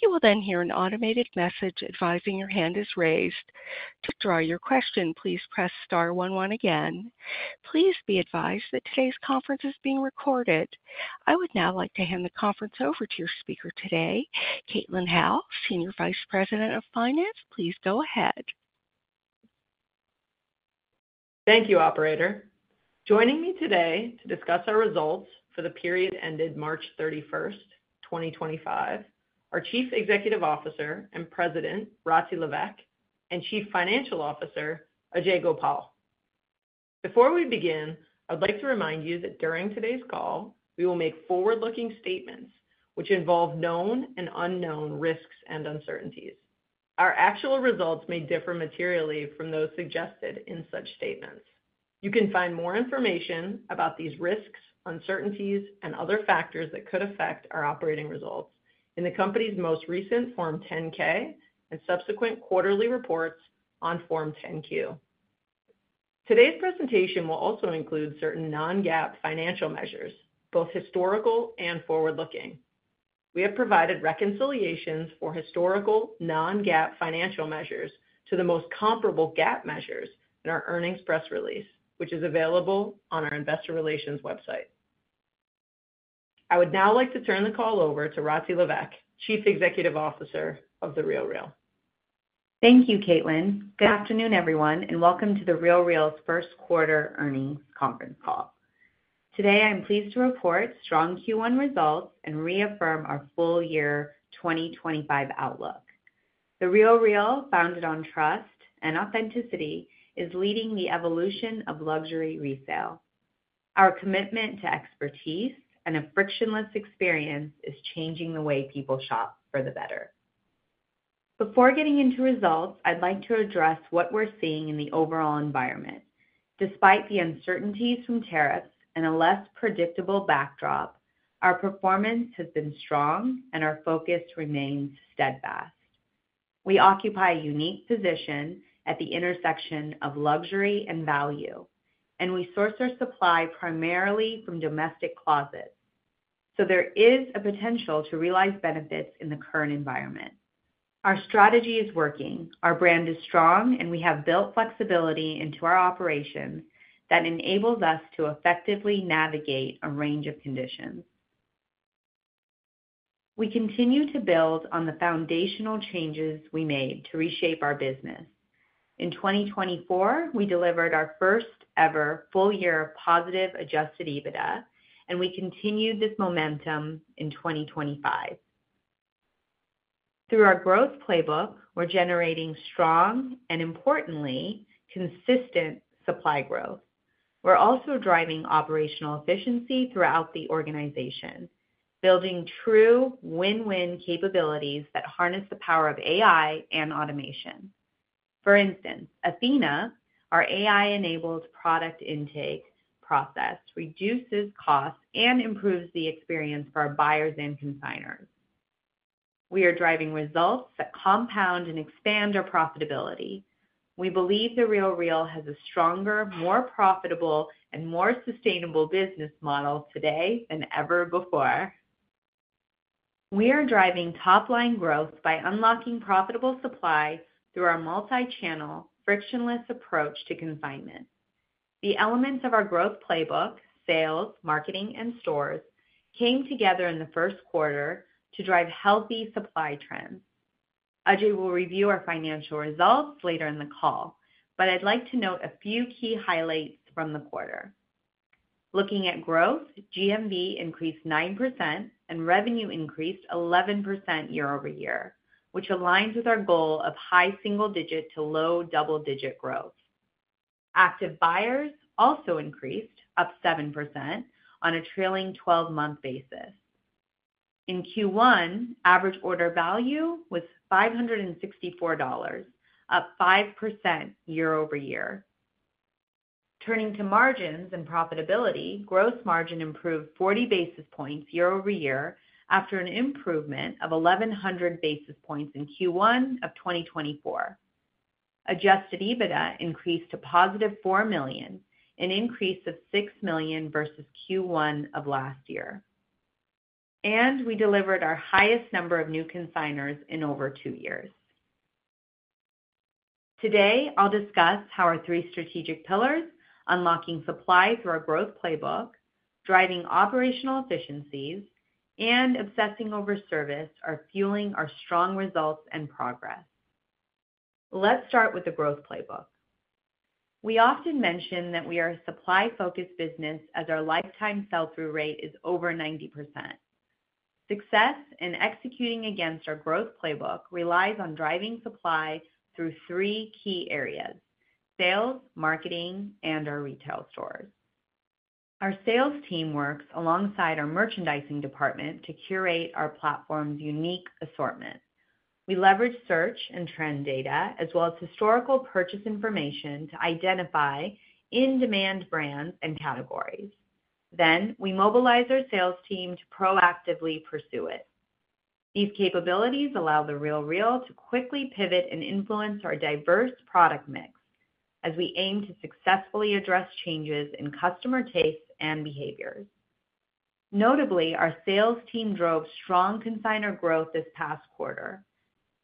You will then hear an automated message advising your hand is raised. To draw your question, please press star one one again. Please be advised that today's conference is being recorded. I would now like to hand the conference over to your speaker today, Caitlin Howe, Senior Vice President of Finance. Please go ahead. Thank you, Operator. Joining me today to discuss our results for the period ended March 31, 2025, are Chief Executive Officer and President Rati Levesque and Chief Financial Officer Ajay Gopal. Before we begin, I would like to remind you that during today's call, we will make forward-looking statements which involve known and unknown risks and uncertainties. Our actual results may differ materially from those suggested in such statements. You can find more information about these risks, uncertainties, and other factors that could affect our operating results in the company's most recent Form 10-K and subsequent quarterly reports on Form 10-Q. Today's presentation will also include certain non-GAAP financial measures, both historical and forward-looking. We have provided reconciliations for historical non-GAAP financial measures to the most comparable GAAP measures in our earnings press release, which is available on our investor relations website. I would now like to turn the call over to Rati Levesque, Chief Executive Officer of The RealReal. Thank you, Caitlin. Good afternoon, everyone, and welcome to The RealReal's First Quarter Earnings Conference Call. Today, I'm pleased to report strong Q1 results and reaffirm our full year 2025 outlook. The RealReal, founded on trust and authenticity, is leading the evolution of luxury retail. Our commitment to expertise and a frictionless experience is changing the way people shop for the better. Before getting into results, I'd like to address what we're seeing in the overall environment. Despite the uncertainties from tariffs and a less predictable backdrop, our performance has been strong, and our focus remains steadfast. We occupy a unique position at the intersection of luxury and value, and we source our supply primarily from domestic closets, so there is a potential to realize benefits in the current environment. Our strategy is working, our brand is strong, and we have built flexibility into our operations that enables us to effectively navigate a range of conditions. We continue to build on the foundational changes we made to reshape our business. In 2024, we delivered our first-ever full year of positive adjusted EBITDA, and we continue this momentum in 2025. Through our growth playbook, we're generating strong and, importantly, consistent supply growth. We're also driving operational efficiency throughout the organization, building true win-win capabilities that harness the power of AI and automation. For instance, Athena, our AI-enabled product intake process, reduces costs and improves the experience for our buyers and consignors. We are driving results that compound and expand our profitability. We believe The RealReal has a stronger, more profitable, and more sustainable business model today than ever before. We are driving top-line growth by unlocking profitable supply through our multi-channel, frictionless approach to consignment. The elements of our growth playbook—sales, marketing, and stores—came together in the first quarter to drive healthy supply trends. Ajay will review our financial results later in the call, but I'd like to note a few key highlights from the quarter. Looking at growth, GMV increased 9% and revenue increased 11% year-over-year, which aligns with our goal of high single-digit to low double-digit growth. Active buyers also increased, up 7% on a trailing 12-month basis. In Q1, average order value was $564, up 5% year-over-year. Turning to margins and profitability, gross margin improved 40 basis points year-over-year after an improvement of 1,100 basis points in Q1 of 2024. Adjusted EBITDA increased to +$4 million, an increase of $6 million versus Q1 of last year. We delivered our highest number of new consignors in over 2 years. Today, I'll discuss how our three strategic pillars, unlocking supply through our growth playbook, driving operational efficiencies, and obsessing over service, are fueling our strong results and progress. Let's start with the growth playbook. We often mention that we are a supply-focused business as our lifetime sell-through rate is over 90%. Success in executing against our growth playbook relies on driving supply through three key areas: sales, marketing, and our retail stores. Our sales team works alongside our merchandising department to curate our platform's unique assortment. We leverage search and trend data, as well as historical purchase information to identify in-demand brands and categories. We mobilize our sales team to proactively pursue it. These capabilities allow The RealReal to quickly pivot and influence our diverse product mix as we aim to successfully address changes in customer tastes and behaviors. Notably, our sales team drove strong consignor growth this past quarter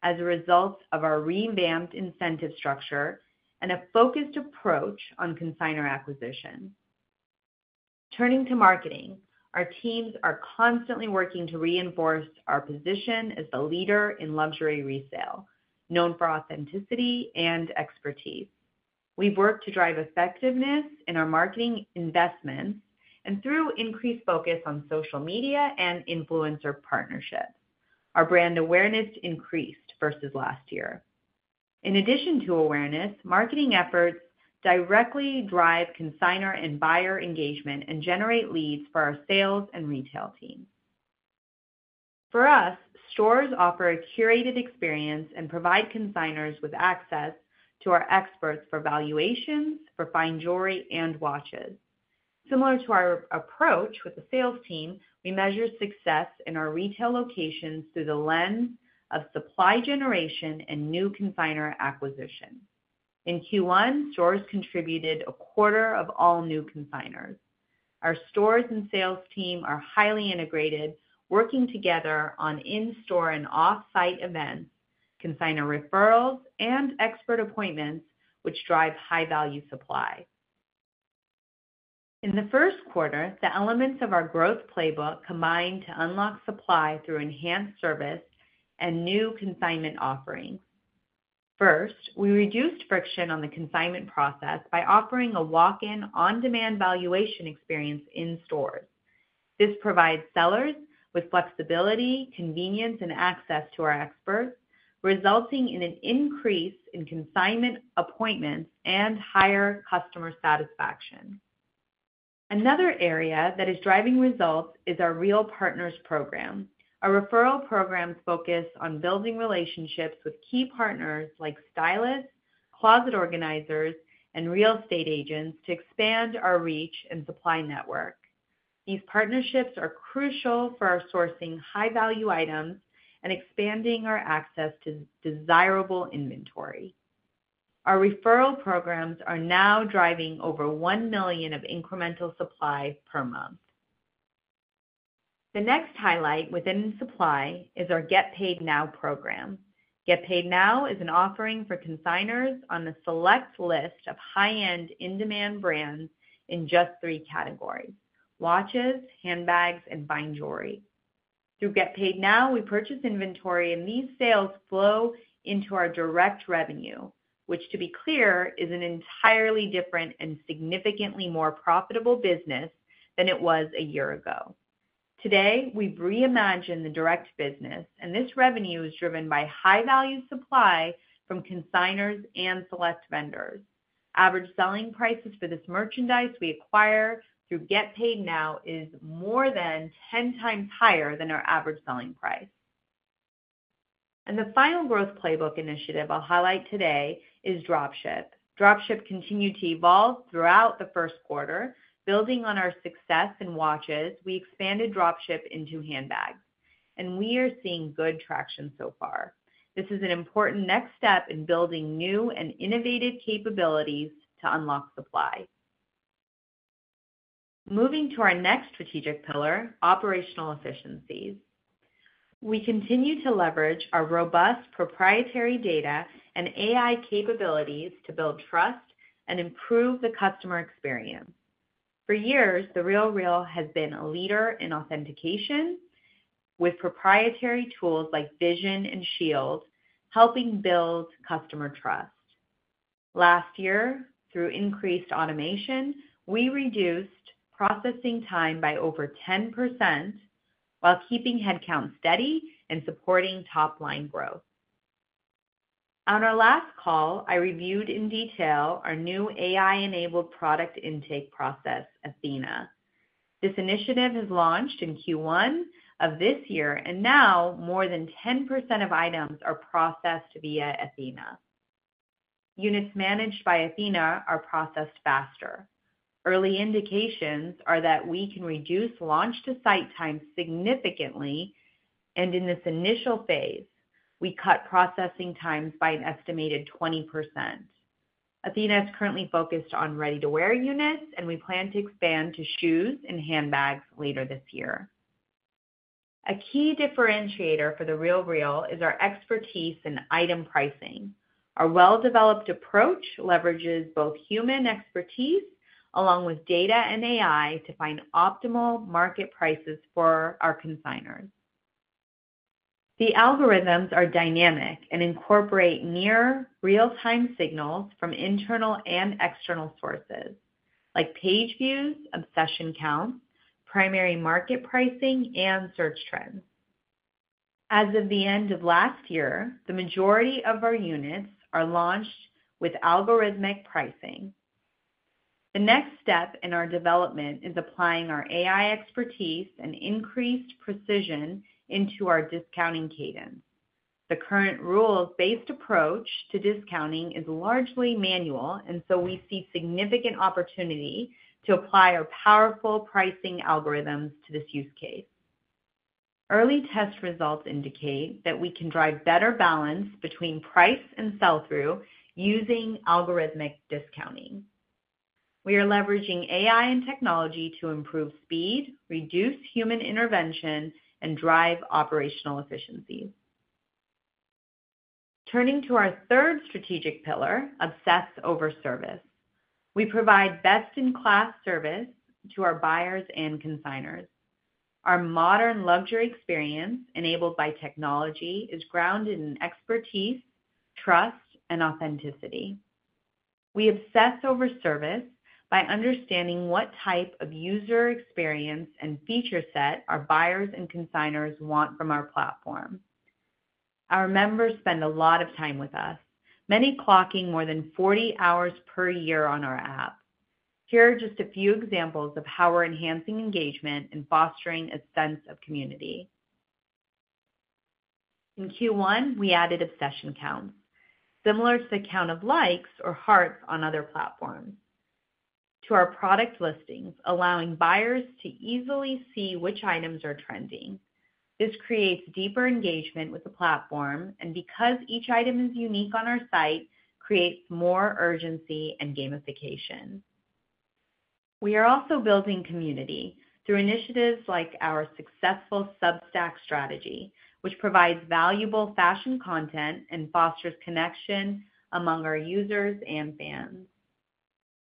as a result of our revamped incentive structure and a focused approach on consignor acquisition. Turning to marketing, our teams are constantly working to reinforce our position as the leader in luxury retail, known for authenticity and expertise. We've worked to drive effectiveness in our marketing investments and through increased focus on social media and influencer partnerships. Our brand awareness increased versus last year. In addition to awareness, marketing efforts directly drive consignor and buyer engagement and generate leads for our sales and retail team. For us, stores offer a curated experience and provide consignors with access to our experts for valuations, for Fine Jewelry, and watches. Similar to our approach with the sales team, we measure success in our retail locations through the lens of supply generation and new consignor acquisition. In Q1, stores contributed 1/4 of all new consignors. Our stores and sales team are highly integrated, working together on in-store and off-site events, consignor referrals, and expert appointments, which drive high-value supply. In the first quarter, the elements of our growth playbook combined to unlock supply through enhanced service and new consignment offerings. First, we reduced friction on the consignment process by offering a walk-in on-demand valuation experience in stores. This provides sellers with flexibility, convenience, and access to our experts, resulting in an increase in consignment appointments and higher customer satisfaction. Another area that is driving results is our RealPartners program, a referral program focused on building relationships with key partners like stylists, closet organizers, and real estate agents to expand our reach and supply network. These partnerships are crucial for our sourcing high-value items and expanding our access to desirable inventory. Our referral programs are now driving over $1 million of incremental supply per month. The next highlight within supply is our Get Paid Now program. Get Paid Now is an offering for consignors on a select list of high-end in-demand brands in just three categories: watches, handbags, and Fine Jewelry. Through Get Paid Now, we purchase inventory, and these sales flow into our direct revenue, which, to be clear, is an entirely different and significantly more profitable business than it was a year ago. Today, we've reimagined the direct business, and this revenue is driven by high-value supply from consignors and select vendors. Average selling prices for this merchandise we acquire through Get Paid Now are more than 10x higher than our average selling price. The final growth playbook initiative I'll highlight today is dropship. Dropship continued to evolve throughout the first quarter. Building on our success in watches, we expanded dropship into handbags, and we are seeing good traction so far. This is an important next step in building new and innovative capabilities to unlock supply. Moving to our next strategic pillar, operational efficiencies. We continue to leverage our robust proprietary data and AI capabilities to build trust and improve the customer experience. For years, The RealReal has been a leader in authentication, with proprietary tools like Vision and Shield helping build customer trust. Last year, through increased automation, we reduced processing time by over 10% while keeping headcount steady and supporting top-line growth. On our last call, I reviewed in detail our new AI-enabled product intake process, Athena. This initiative has launched in Q1 of this year, and now more than 10% of items are processed via Athena. Units managed by Athena are processed faster. Early indications are that we can reduce launch-to-site time significantly, and in this initial phase, we cut processing times by an estimated 20%. Athena is currently focused on ready-to-wear units, and we plan to expand to shoes and handbags later this year. A key differentiator for The RealReal is our expertise in item pricing. Our well-developed approach leverages both human expertise along with data and AI to find optimal market prices for our consignors. The algorithms are dynamic and incorporate near-real-time signals from internal and external sources, like page views, obsession counts, primary market pricing, and search trends. As of the end of last year, the majority of our units are launched with algorithmic pricing. The next step in our development is applying our AI expertise and increased precision into our discounting cadence. The current rules-based approach to discounting is largely manual, and so we see significant opportunity to apply our powerful pricing algorithms to this use case. Early test results indicate that we can drive better balance between price and sell-through using algorithmic discounting. We are leveraging AI and technology to improve speed, reduce human intervention, and drive operational efficiencies. Turning to our third strategic pillar, obsess over service. We provide best-in-class service to our buyers and consignors. Our modern luxury experience, enabled by technology, is grounded in expertise, trust, and authenticity. We obsess over service by understanding what type of user experience and feature set our buyers and consignors want from our platform. Our members spend a lot of time with us, many clocking more than 40 hours per year on our app. Here are just a few examples of how we're enhancing engagement and fostering a sense of community. In Q1, we added obsession counts, similar to the count of likes or hearts on other platforms, to our product listings, allowing buyers to easily see which items are trending. This creates deeper engagement with the platform, and because each item is unique on our site, creates more urgency and gamification. We are also building community through initiatives like our successful Substack strategy, which provides valuable fashion content and fosters connection among our users and fans.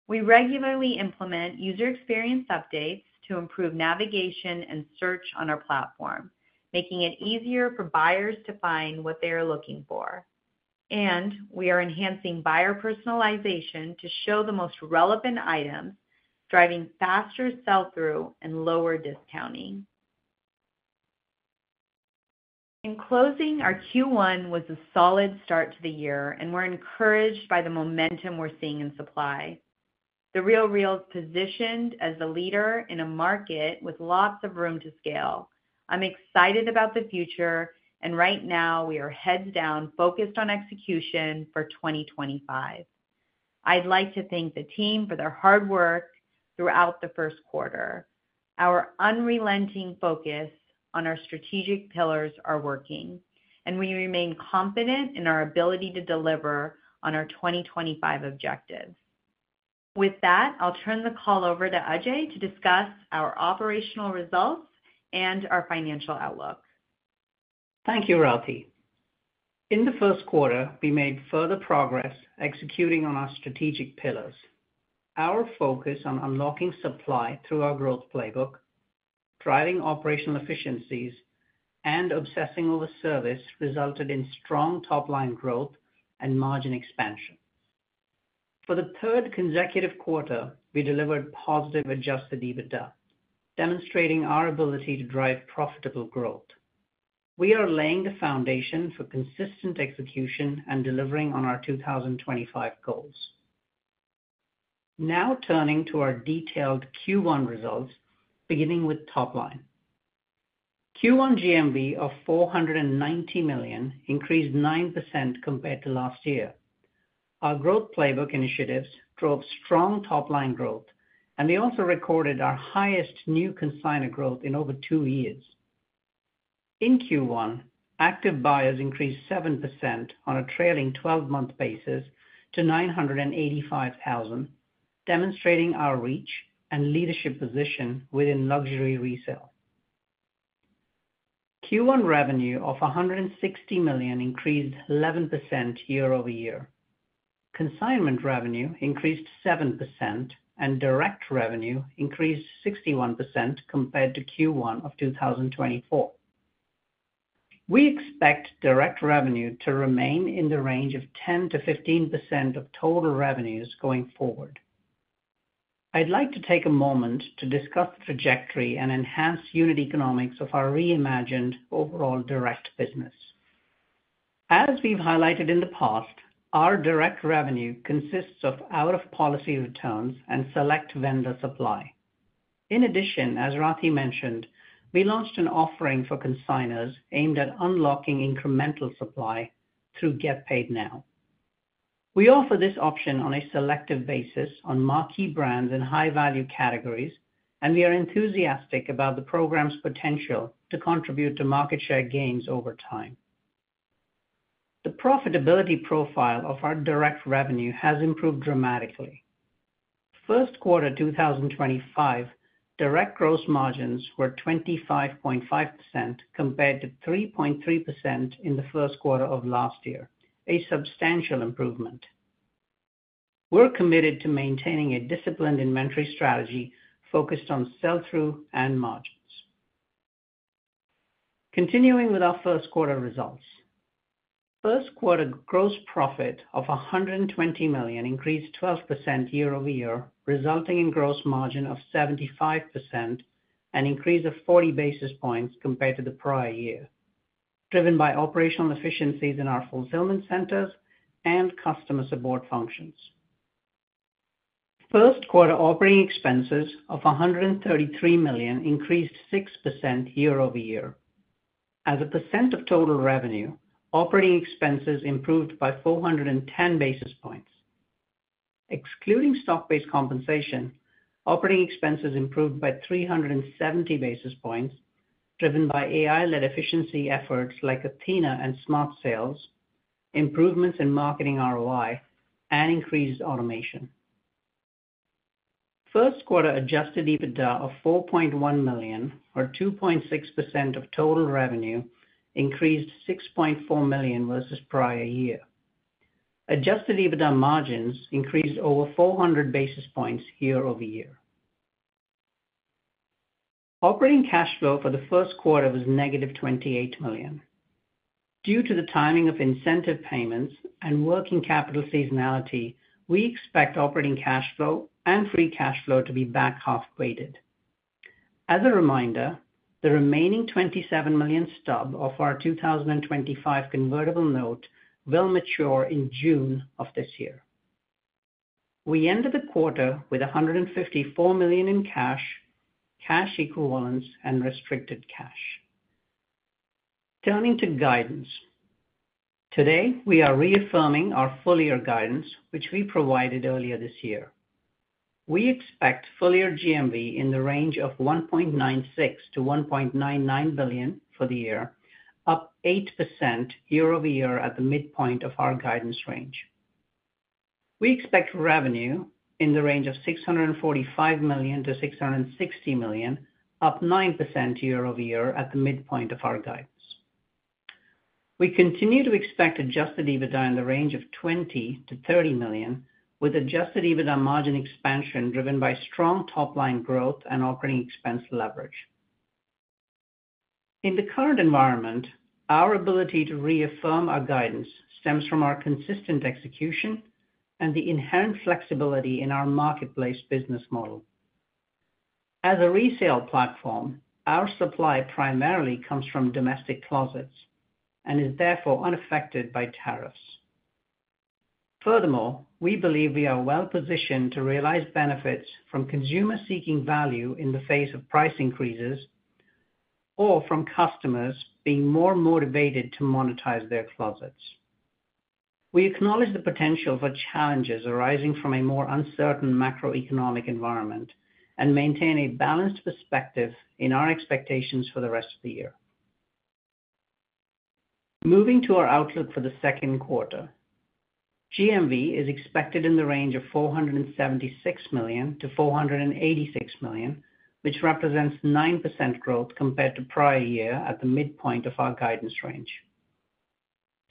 We regularly implement user experience updates to improve navigation and search on our platform, making it easier for buyers to find what they are looking for. We are enhancing buyer personalization to show the most relevant items, driving faster sell-through and lower discounting. In closing, our Q1 was a solid start to the year, and we're encouraged by the momentum we're seeing in supply. The RealReal is positioned as the leader in a market with lots of room to scale. I'm excited about the future, and right now, we are heads down, focused on execution for 2025. I'd like to thank the team for their hard work throughout the first quarter. Our unrelenting focus on our strategic pillars is working, and we remain confident in our ability to deliver on our 2025 objectives. With that, I'll turn the call over to Ajay to discuss our operational results and our financial outlook. Thank you, Rati. In the first quarter, we made further progress executing on our strategic pillars. Our focus on unlocking supply through our growth playbook, driving operational efficiencies, and obsessing over service resulted in strong top-line growth and margin expansion. For the third consecutive quarter, we delivered positive adjusted EBITDA, demonstrating our ability to drive profitable growth. We are laying the foundation for consistent execution and delivering on our 2025 goals. Now turning to our detailed Q1 results, beginning with top line. Q1 GMV of $490 million increased 9% compared to last year. Our growth playbook initiatives drove strong top-line growth, and we also recorded our highest new consignor growth in over 2 years. In Q1, active buyers increased 7% on a trailing 12-month basis to 985,000, demonstrating our reach and leadership position within luxury retail. Q1 revenue of $160 million increased 11% year-over-year. Consignment revenue increased 7%, and direct revenue increased 61% compared to Q1 of 2024. We expect direct revenue to remain in the range of 10-15% of total revenues going forward. I'd like to take a moment to discuss the trajectory and enhanced unit economics of our reimagined overall direct business. As we've highlighted in the past, our direct revenue consists of out-of-policy returns and select vendor supply. In addition, as Rati mentioned, we launched an offering for consignors aimed at unlocking incremental supply through Get Paid Now. We offer this option on a selective basis on marquee brands and high-value categories, and we are enthusiastic about the program's potential to contribute to market share gains over time. The profitability profile of our direct revenue has improved dramatically. First quarter 2025, direct gross margins were 25.5% compared to 3.3% in the first quarter of last year, a substantial improvement. We're committed to maintaining a disciplined inventory strategy focused on sell-through and margins. Continuing with our first quarter results, first quarter gross profit of $120 million increased 12% year-over-year, resulting in gross margin of 75% and increase of 40 basis points compared to the prior year, driven by operational efficiencies in our fulfillment centers and customer support functions. First quarter operating expenses of $133 million increased 6% year-over-year. As a percent of total revenue, operating expenses improved by 410 basis points. Excluding stock-based compensation, operating expenses improved by 370 basis points, driven by AI-led efficiency efforts like Athena and Smart Sales, improvements in marketing ROI, and increased automation. First quarter adjusted EBITDA of $4.1 million, or 2.6% of total revenue, increased $6.4 million versus prior year. Adjusted EBITDA margins increased over 400 basis points year-over-year. Operating cash flow for the first quarter was -$28 million. Due to the timing of incentive payments and working capital seasonality, we expect operating cash flow and free cash flow to be back half-weighted. As a reminder, the remaining $27 million stub of our 2025 convertible note will mature in June of this year. We ended the quarter with $154 million in cash, cash equivalents, and restricted cash. Turning to guidance, today we are reaffirming our full year guidance, which we provided earlier this year. We expect full year GMV in the range of $1.96 billion-$1.99 billion for the year, up 8% year-over-year at the midpoint of our guidance range. We expect revenue in the range of $645 million-$660 million, up 9% year-over-year at the midpoint of our guidance. We continue to expect adjusted EBITDA in the range of $20 million-$30 million, with adjusted EBITDA margin expansion driven by strong top-line growth and operating expense leverage. In the current environment, our ability to reaffirm our guidance stems from our consistent execution and the inherent flexibility in our marketplace business model. As a resale platform, our supply primarily comes from domestic closets and is therefore unaffected by tariffs. Furthermore, we believe we are well-positioned to realize benefits from consumers seeking value in the face of price increases or from customers being more motivated to monetize their closets. We acknowledge the potential for challenges arising from a more uncertain macroeconomic environment and maintain a balanced perspective in our expectations for the rest of the year. Moving to our outlook for the second quarter, GMV is expected in the range of $476 million-$486 million, which represents 9% growth compared to prior year at the midpoint of our guidance range.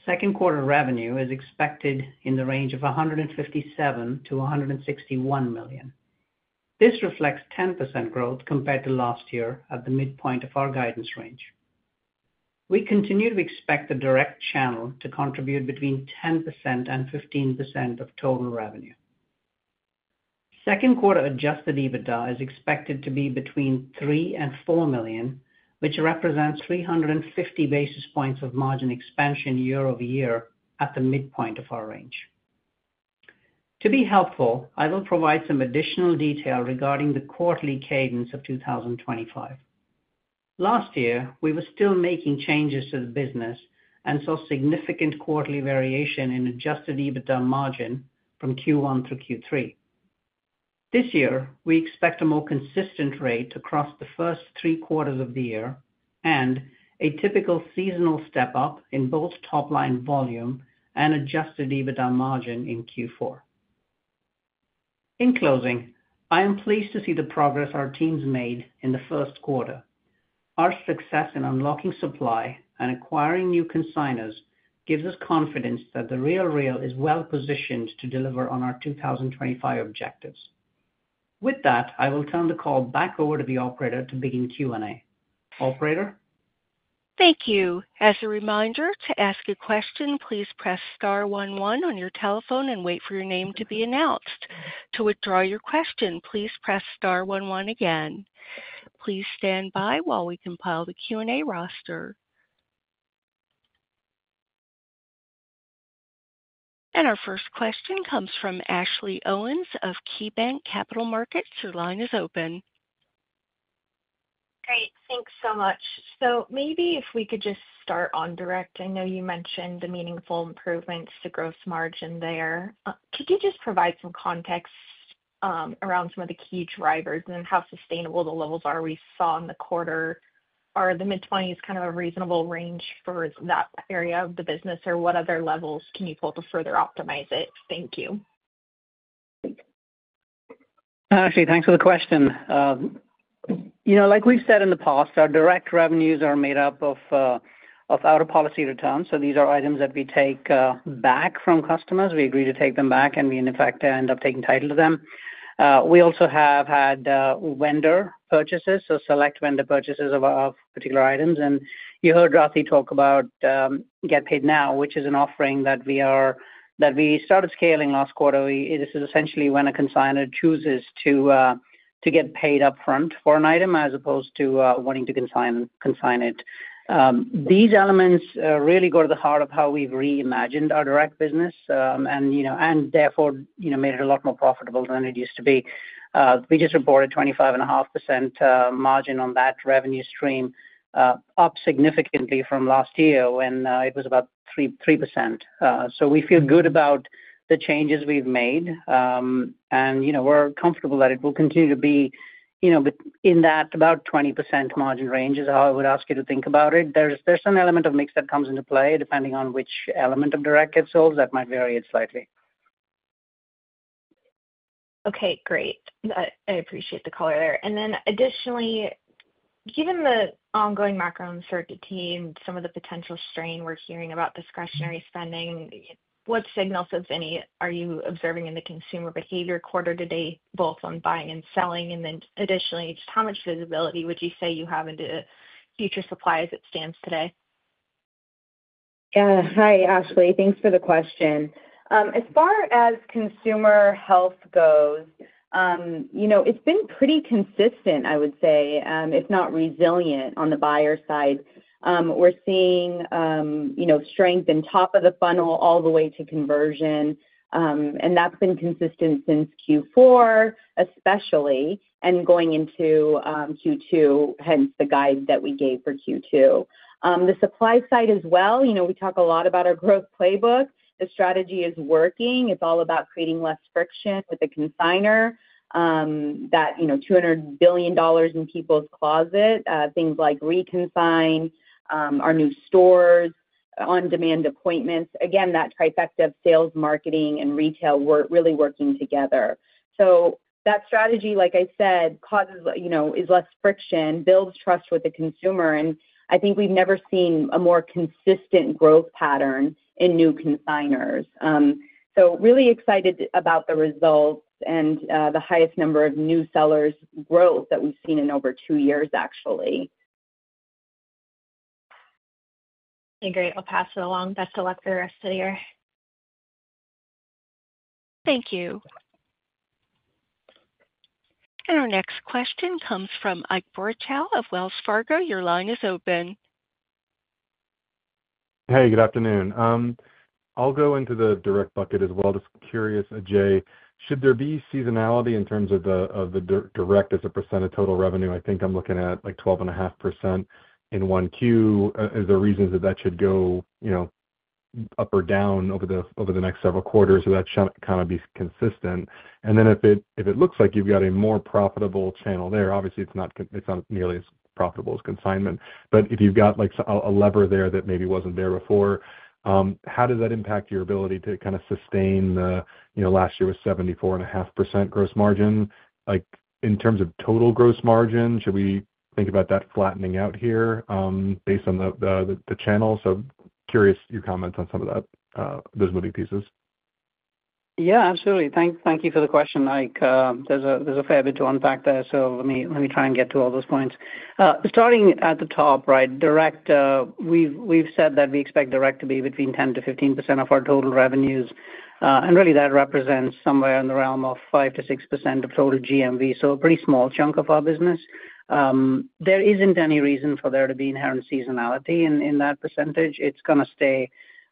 Second quarter revenue is expected in the range of $157 million-$161 million. This reflects 10% growth compared to last year at the midpoint of our guidance range. We continue to expect the direct channel to contribute between 10% and 15% of total revenue. Second quarter adjusted EBITDA is expected to be between $3 million and $4 million, which represents 350 basis points of margin expansion year-over-year at the midpoint of our range. To be helpful, I will provide some additional detail regarding the quarterly cadence of 2025. Last year, we were still making changes to the business and saw significant quarterly variation in adjusted EBITDA margin from Q1 through Q3. This year, we expect a more consistent rate across the first three quarters of the year and a typical seasonal step-up in both top-line volume and adjusted EBITDA margin in Q4. In closing, I am pleased to see the progress our teams made in the first quarter. Our success in unlocking supply and acquiring new consignors gives us confidence that The RealReal is well-positioned to deliver on our 2025 objectives. With that, I will turn the call back over to the operator to begin Q&A. Operator. Thank you. As a reminder, to ask a question, please press star one one on your telephone and wait for your name to be announced. To withdraw your question, please press star one one again. Please stand by while we compile the Q&A roster. Our first question comes from Ashley Owens of KeyBanc Capital Markets. Your line is open. Great. Thanks so much. Maybe if we could just start on direct. I know you mentioned the meaningful improvements to gross margin there. Could you just provide some context around some of the key drivers and how sustainable the levels are we saw in the quarter? Are the mid-20s percent kind of a reasonable range for that area of the business, or what other levels can you pull to further optimize it? Thank you. Ashley, thanks for the question. Like we've said in the past, our direct revenues are made up of out-of-policy returns. These are items that we take back from customers. We agree to take them back, and we, in effect, end up taking title to them. We also have had vendor purchases, so select vendor purchases of particular items. You heard Rati talk about Get Paid Now, which is an offering that we started scaling last quarter. This is essentially when a consignor chooses to get paid upfront for an item as opposed to wanting to consign it. These elements really go to the heart of how we have reimagined our direct business and therefore made it a lot more profitable than it used to be. We just reported 25.5% margin on that revenue stream, up significantly from last year when it was about 3%. We feel good about the changes we have made, and we are comfortable that it will continue to be in that about 20% margin range is how I would ask you to think about it. There's some element of mix that comes into play depending on which element of direct it solves. That might vary it slightly. Okay. Great. I appreciate the color there. Additionally, given the ongoing macro uncertainty and some of the potential strain we're hearing about discretionary spending, what signals, if any, are you observing in the consumer behavior quarter to date, both on buying and selling? Additionally, just how much visibility would you say you have into future supply as it stands today? Yeah. Hi, Ashley. Thanks for the question. As far as consumer health goes, it's been pretty consistent, I would say, if not resilient on the buyer side. We're seeing strength in top of the funnel all the way to conversion, and that's been consistent since Q4, especially, and going into Q2, hence the guide that we gave for Q2. The supply side as well, we talk a lot about our growth playbook. The strategy is working. It's all about creating less friction with the consignor, that $200 billion in people's closet, things like reconfine, our new stores, on-demand appointments. Again, that trifecta of sales, marketing, and retail really working together. That strategy, like I said, causes less friction, builds trust with the consumer, and I think we've never seen a more consistent growth pattern in new consignors. Really excited about the results and the highest number of new sellers growth that we've seen in over 2 years, actually. Okay. Great. I'll pass it along. Best of luck for the rest of the year. Thank you. Our next question comes from Ike Boruchow of Wells Fargo. Your line is open. Hey, good afternoon. I'll go into the direct bucket as well. Just curious, Ajay, should there be seasonality in terms of the direct as a percent of total revenue? I think I'm looking at like 12.5% in 1Q. Is there reasons that that should go up or down over the next several quarters so that shouldn't kind of be consistent? If it looks like you've got a more profitable channel there, obviously, it's not nearly as profitable as consignment. If you've got a lever there that maybe wasn't there before, how does that impact your ability to kind of sustain the last year was 74.5% gross margin? In terms of total gross margin, should we think about that flattening out here based on the channel? Curious your comments on some of those moving pieces? Yeah, absolutely. Thank you for the question. There's a fair bit to unpack there, so let me try and get to all those points. Starting at the top, right, direct, we've said that we expect direct to be between 10-15% of our total revenues. And really, that represents somewhere in the realm of 5%-6% of total GMV, so a pretty small chunk of our business. There isn't any reason for there to be inherent seasonality in that percentage. It's going to stay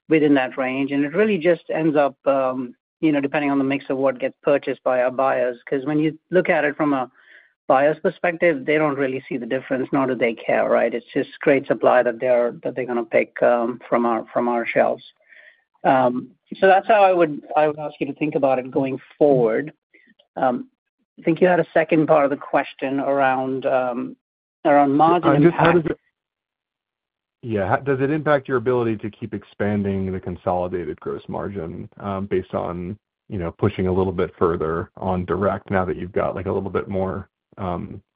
within that range. And it really just ends up depending on the mix of what gets purchased by our buyers. Because when you look at it from a buyer's perspective, they don't really see the difference, nor do they care, right? It's just great supply that they're going to pick from our shelves. So that's how I would ask you to think about it going forward. I think you had a second part of the question around margin impact. Yeah. Does it impact your ability to keep expanding the consolidated gross margin based on pushing a little bit further on direct now that you've got a little bit more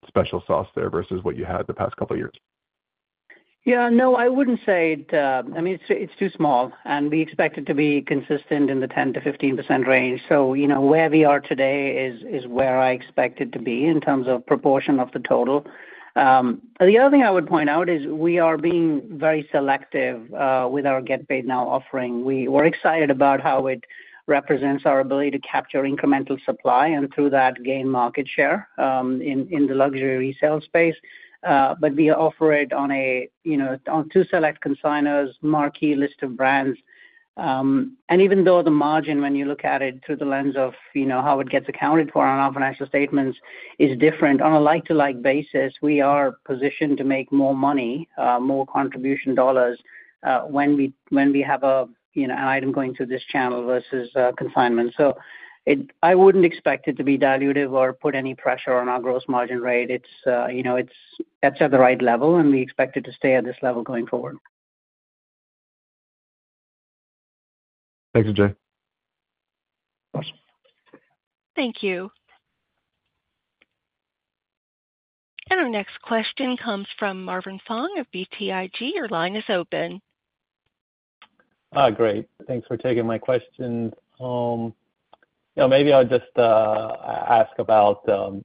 special sauce there versus what you had the past couple of years? Yeah. No, I wouldn't say it. I mean, it's too small, and we expect it to be consistent in the 10-15% range. So where we are today is where I expect it to be in terms of proportion of the total. The other thing I would point out is we are being very selective with our Get Paid Now offering. We're excited about how it represents our ability to capture incremental supply and through that gain market share in the luxury resale space. We offer it on two select consignors, marquee list of brands. Even though the margin, when you look at it through the lens of how it gets accounted for on our financial statements, is different on a like-to-like basis, we are positioned to make more money, more contribution dollars when we have an item going through this channel versus consignment. I would not expect it to be dilutive or put any pressure on our gross margin rate. It is at the right level, and we expect it to stay at this level going forward. Thanks, Ajay. Awesome. Thank you. Our next question comes from Marvin Fong of BTIG. Your line is open. Great. Thanks for taking my question. Maybe I will just ask about AOV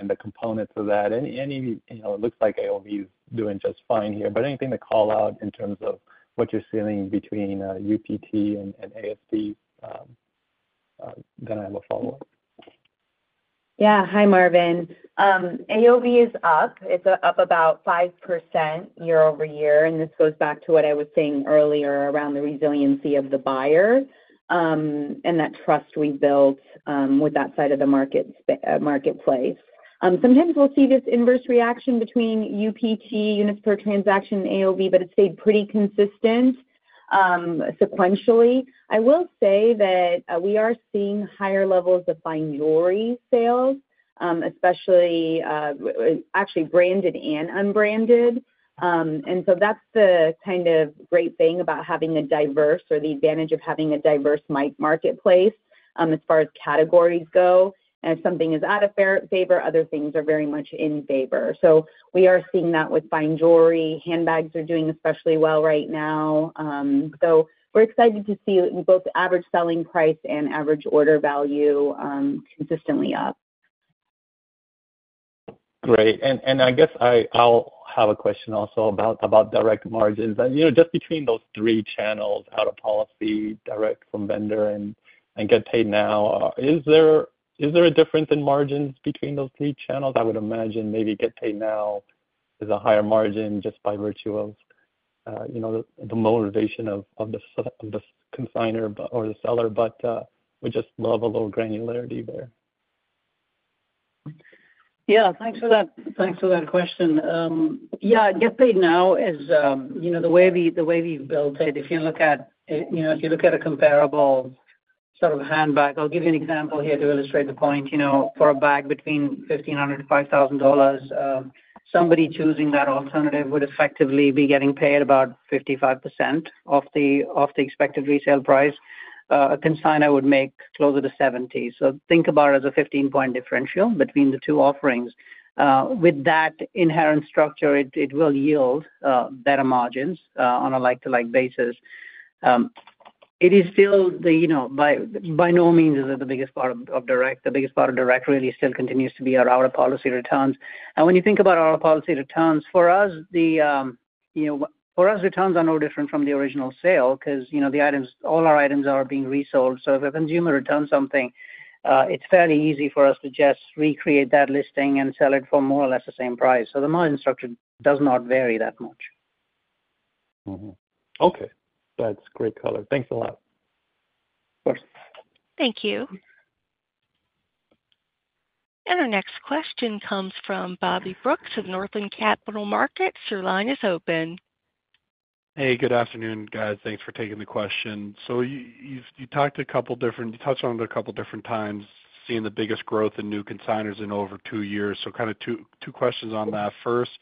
and the components of that. It looks like AOV is doing just fine here. Anything to call out in terms of what you're seeing between UPT and ASB? I have a follow up. Yeah. Hi, Marvin. AOV is up. It's up about 5% year-over-year. This goes back to what I was saying earlier around the resiliency of the buyer and that trust we built with that side of the marketplace. Sometimes we'll see this inverse reaction between UPT, units per transaction, and AOV, but it stayed pretty consistent sequentially. I will say that we are seeing higher levels of Fine Jewelry sales, especially actually branded and unbranded. That's the kind of great thing about having a diverse or the advantage of having a diverse marketplace as far as categories go. If something is out of favor, other things are very much in favor. We are seeing that with Fine Jewelry. Handbags are doing especially well right now. We're excited to see both average selling price and average order value consistently up. Great. I guess I'll have a question also about direct margins. Just between those three channels, out-of-policy, direct from vendor, and Get Paid Now, is there a difference in margins between those three channels? I would imagine maybe Get Paid Now is a higher margin just by virtue of the motivation of the consignor or the seller, but we just love a little granularity there. Yeah. Thanks for that question. Yeah. Get Paid Now is the way we've built it. If you look at a comparable sort of handbag, I'll give you an example here to illustrate the point. For a bag between $1,500-$5,000, somebody choosing that alternative would effectively be getting paid about 55% off the expected resale price. A consignor would make closer to 70. So think about it as a 15-point differential between the two offerings. With that inherent structure, it will yield better margins on a like-to-like basis. It is still, by no means, is it the biggest part of direct. The biggest part of direct really still continues to be our out-of-policy returns. When you think about our out-of-policy returns, for us, returns are no different from the original sale because all our items are being resold. If a consumer returns something, it is fairly easy for us to just recreate that listing and sell it for more or less the same price. The margin structure does not vary that much. Okay. That is great color. Thanks a lot. Of course. Thank you. Our next question comes from Bobby Brooks of Northland Capital Markets. Your line is open. Hey, good afternoon, guys. Thanks for taking the question. You talked to a couple different—you touched on it a couple different times, seeing the biggest growth in new consignors in over 2 years. Kind of two questions on that. First,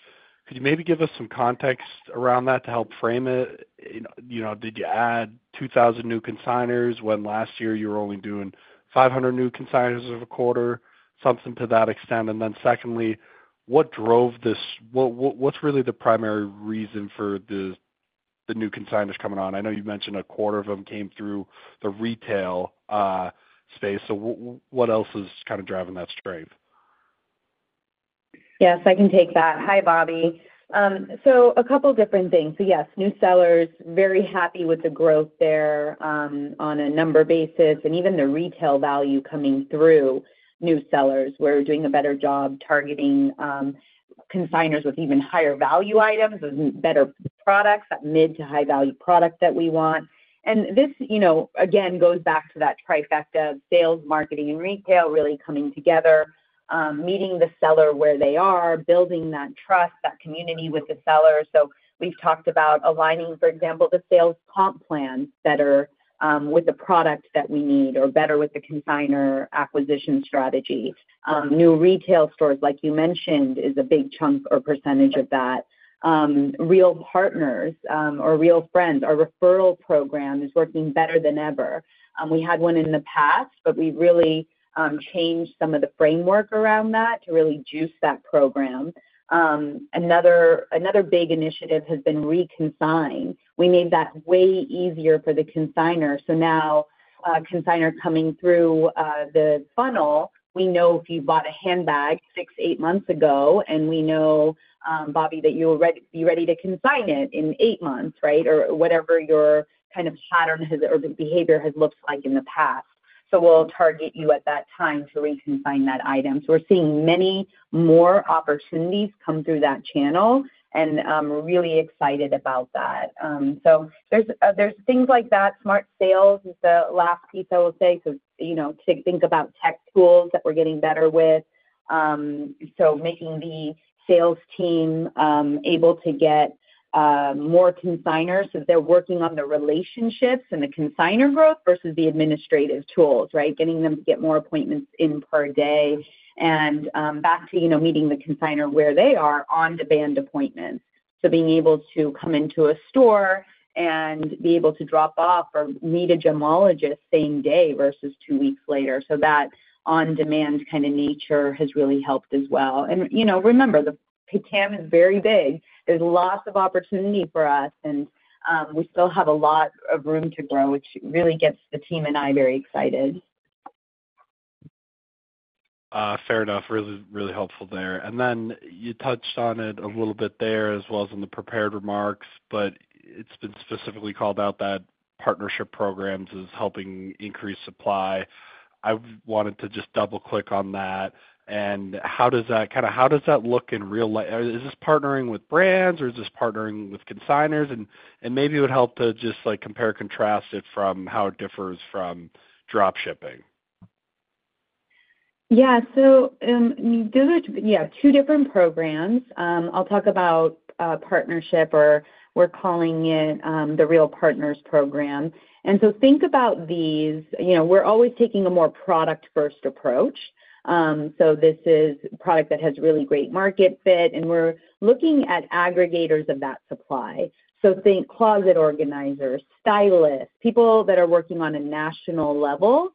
could you maybe give us some context around that to help frame it? Did you add 2,000 new consignors when last year you were only doing 500 new consignors over a quarter, something to that extent? Secondly, what drove this? What's really the primary reason for the new consignors coming on? I know you mentioned 1/4 of them came through the retail space. What else is kind of driving that strength? Yes. I can take that. Hi, Bobby. A couple of different things. Yes, new sellers, very happy with the growth there on a number basis, and even the retail value coming through new sellers. We're doing a better job targeting consignors with even higher value items and better products, that mid to high-value product that we want. This, again, goes back to that trifecta of sales, marketing, and retail really coming together, meeting the seller where they are, building that trust, that community with the seller. We've talked about aligning, for example, the sales comp plan better with the product that we need or better with the consignor acquisition strategy. New retail stores, like you mentioned, is a big chunk or percentage of that. RealPartners or real friends, our referral program, is working better than ever. We had one in the past, but we really changed some of the framework around that to really juice that program. Another big initiative has been reconciling. We made that way easier for the consignor. Now, consignor coming through the funnel, we know if you bought a handbag 6, 8 months ago, and we know, Bobby, that you'll be ready to consign it in 8 months, right, or whatever your kind of pattern or behavior has looked like in the past. We will target you at that time to reconcile that item. We are seeing many more opportunities come through that channel, and I'm really excited about that. There are things like that. Smart sales is the last piece I will say. Think about tech tools that we're getting better with. Making the sales team able to get more consignors so that they're working on the relationships and the consignor growth versus the administrative tools, getting them to get more appointments in per day. Back to meeting the consignor where they are on-demand appointments. Being able to come into a store and be able to drop off or meet a gemologist same day versus 2 weeks later. That on-demand kind of nature has really helped as well. Remember, the Pecan is very big. There's lots of opportunity for us, and we still have a lot of room to grow, which really gets the team and I very excited. Fair enough. Really, really helpful there. You touched on it a little bit there as well as in the prepared remarks, but it's been specifically called out that partnership programs is helping increase supply. I wanted to just double-click on that. How does that look in real life? Is this partnering with brands, or is this partnering with consignors? Maybe it would help to just compare and contrast it from how it differs from dropshipping? Yeah. Two different programs. I'll talk about partnership, or we're calling it the RealPartners program. Think about these. We're always taking a more product-first approach. This is a product that has really great market fit, and we're looking at aggregators of that supply. Think closet organizers, stylists, people that are working on a national level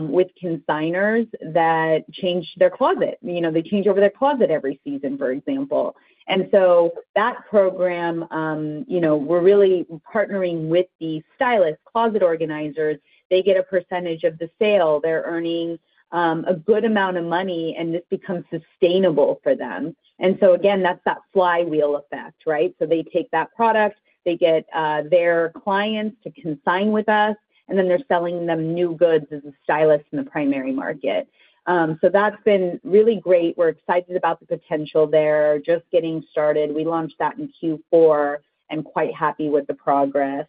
with consignors that change their closet. They change over their closet every season, for example. That program, we're really partnering with the stylists, closet organizers. They get a percentage of the sale. They're earning a good amount of money, and this becomes sustainable for them. Again, that's that flywheel effect, right? They take that product, they get their clients to consign with us, and then they're selling them new goods as a stylist in the primary market. That's been really great. We're excited about the potential there. Just getting started. We launched that in Q4 and are quite happy with the progress.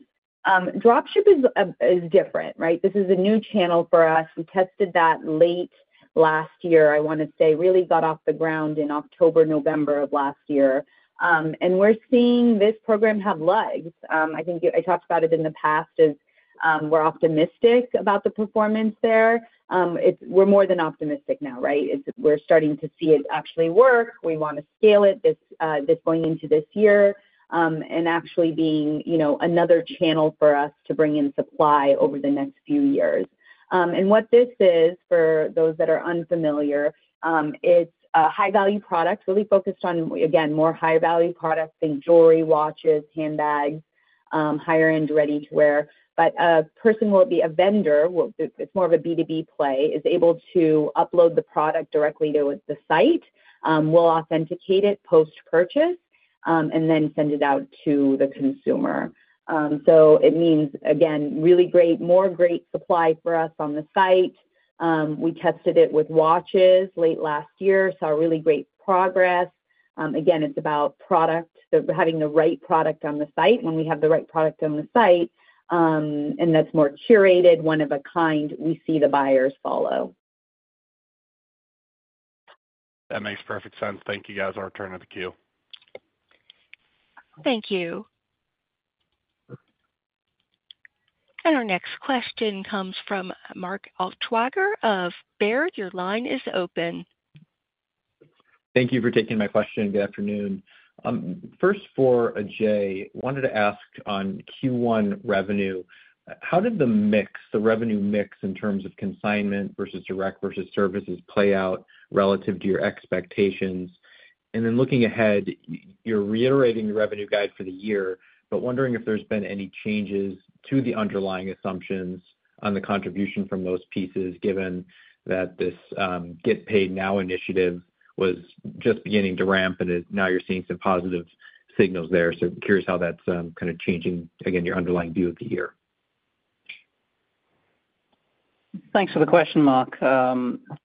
Dropship is different, right? This is a new channel for us. We tested that late last year, I want to say, really got off the ground in October-November of last year. We're seeing this program have legs. I think I talked about it in the past as we're optimistic about the performance there. We're more than optimistic now, right? We're starting to see it actually work. We want to scale it going into this year and actually have it be another channel for us to bring in supply over the next few years. What this is, for those that are unfamiliar, it's a high-value product, really focused on, again, more high-value products, think jewelry, watches, handbags, higher-end ready-to-wear. A person will be a vendor; it's more of a B2B play, is able to upload the product directly to the site, will authenticate it post-purchase, and then send it out to the consumer. It means, again, really great, more great supply for us on the site. We tested it with watches late last year, saw really great progress. Again, it's about product, having the right product on the site. When we have the right product on the site, and that's more curated, one of a kind, we see the buyers follow. That makes perfect sense. Thank you, guys. Our turn at the queue. Thank you. Our next question comes from Mark Altschwager of Baird. Your line is open. Thank you for taking my question. Good afternoon. First, for Ajay, wanted to ask on Q1 revenue, how did the revenue mix in terms of consignment versus direct versus services play out relative to your expectations? Looking ahead, you're reiterating the revenue guide for the year, but wondering if there's been any changes to the underlying assumptions on the contribution from those pieces, given that this Get Paid Now initiative was just beginning to ramp, and now you're seeing some positive signals there. Curious how that's kind of changing, again, your underlying view of the year? Thanks for the question, Mark.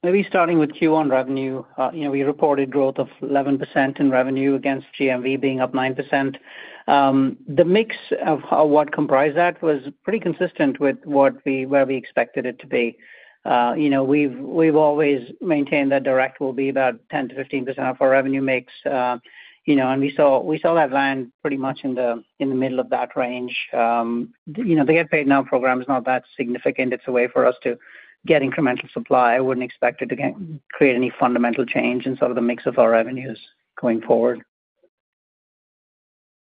Maybe starting with Q1 revenue, we reported growth of 11% in revenue against GMV being up 9%. The mix of what comprised that was pretty consistent with where we expected it to be. We've always maintained that direct will be about 10%-15% of our revenue mix. We saw that land pretty much in the middle of that range. The Get Paid Now program is not that significant. It's a way for us to get incremental supply. I wouldn't expect it to create any fundamental change in sort of the mix of our revenues going forward.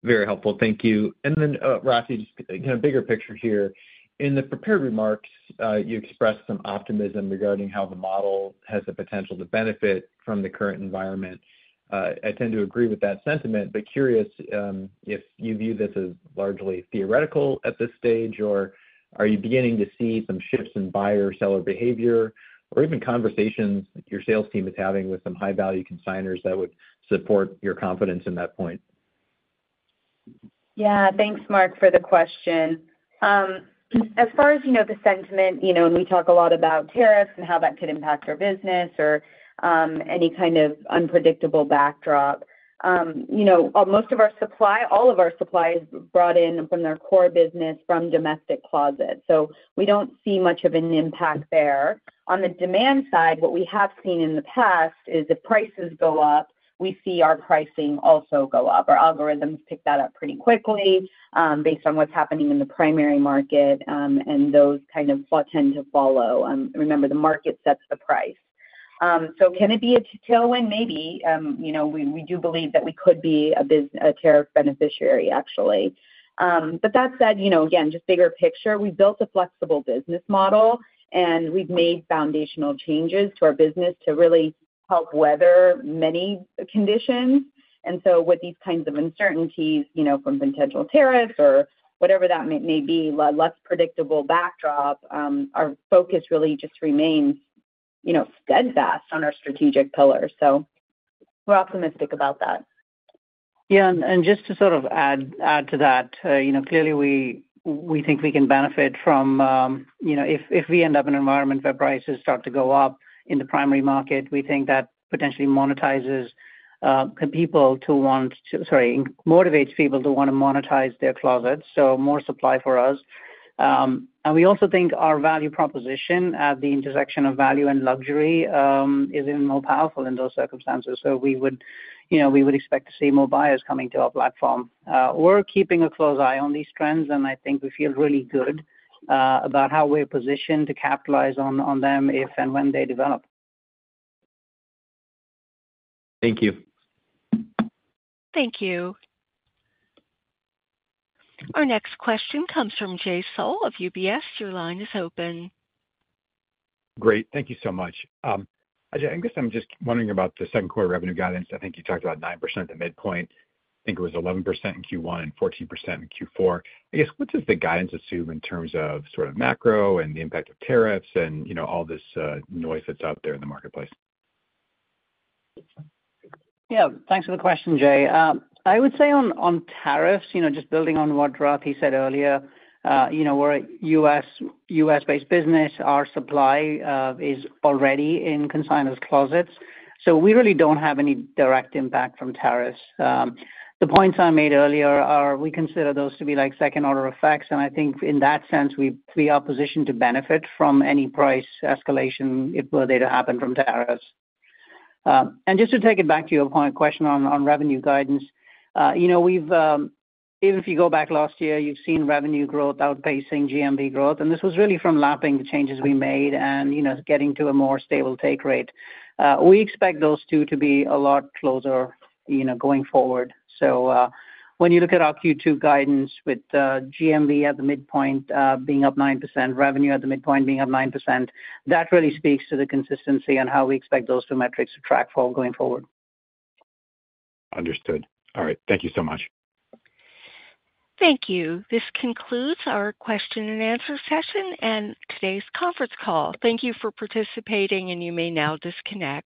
Very helpful. Thank you. Rati, just kind of bigger picture here. In the prepared remarks, you expressed some optimism regarding how the model has the potential to benefit from the current environment. I tend to agree with that sentiment, but curious if you view this as largely theoretical at this stage, or are you beginning to see some shifts in buyer-seller behavior, or even conversations your sales team is having with some high-value consignors that would support your confidence in that point? Yeah. Thanks, Mark, for the question. As far as the sentiment, we talk a lot about tariffs and how that could impact our business or any kind of unpredictable backdrop. Most of our supply, all of our supply is brought in from their core business from domestic closets. So we do not see much of an impact there. On the demand side, what we have seen in the past is if prices go up, we see our pricing also go up. Our algorithms pick that up pretty quickly based on what is happening in the primary market, and those kind of tend to follow. Remember, the market sets the price. Can it be a tailwind? Maybe. We do believe that we could be a tariff beneficiary, actually. That said, again, just bigger picture, we built a flexible business model, and we've made foundational changes to our business to really help weather many conditions. With these kinds of uncertainties from potential tariffs or whatever that may be, less predictable backdrop, our focus really just remains steadfast on our strategic pillar. We're optimistic about that. Yeah. Just to sort of add to that, clearly, we think we can benefit from if we end up in an environment where prices start to go up in the primary market, we think that potentially motivates people to want to monetize their closets. More supply for us. We also think our value proposition at the intersection of value and luxury is even more powerful in those circumstances. We would expect to see more buyers coming to our platform. We're keeping a close eye on these trends, and I think we feel really good about how we're positioned to capitalize on them if and when they develop. Thank you. Thank you. Our next question comes from Jay Sole of UBS. Your line is open. Great. Thank you so much. Ajay, I guess I'm just wondering about the second quarter revenue guidance. I think you talked about 9% at the midpoint. I think it was 11% in Q1 and 14% in Q4. I guess, what does the guidance assume in terms of sort of macro and the impact of tariffs and all this noise that's out there in the marketplace? Yeah. Thanks for the question, Jay. I would say on tariffs, just building on what Rati said earlier, we're a U.S.-based business. Our supply is already in consignors' closets. So we really do not have any direct impact from tariffs. The points I made earlier are we consider those to be second-order effects. I think in that sense, we are positioned to benefit from any price escalation if it were to happen from tariffs. Just to take it back to your point, a question on revenue guidance. Even if you go back last year, you have seen revenue growth outpacing GMV growth. This was really from lapping the changes we made and getting to a more stable take rate. We expect those two to be a lot closer going forward. When you look at our Q2 guidance with GMV at the midpoint being up 9%, revenue at the midpoint being up 9%, that really speaks to the consistency on how we expect those two metrics to track forward going forward. Understood. All right. Thank you so much. Thank you. This concludes our question-and-answer session and today's conference call. Thank you for participating, and you may now disconnect.